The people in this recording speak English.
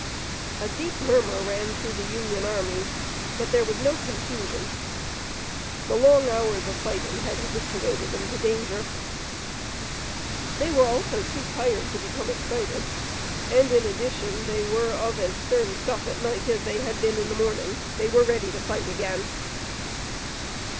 A deep murmur ran through the Union army, but there was no confusion. The long hours of fighting had habituated them to danger. They were also too tired to become excited, and in addition, they were of as stern stuff at night as they had been in the morning. They were ready to fight again.